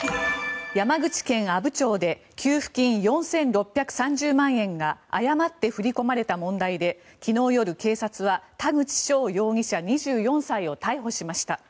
山口県阿武町で給付金４６３０万円が誤って振り込まれた問題で昨日夜、警察は田口翔容疑者、２４歳を逮捕しました。